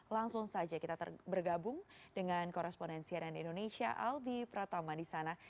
langsung saja kita bergabung dengan korespondensi dari indonesia albi pratama di sana